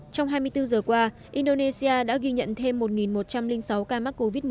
trong hai mươi bốn giờ qua indonesia đã ghi nhận thêm một một trăm linh sáu ca mắc covid một mươi chín